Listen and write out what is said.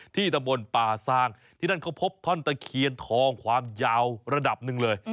ตำบลป่าซางที่นั่นเขาพบท่อนตะเคียนทองความยาวระดับหนึ่งเลย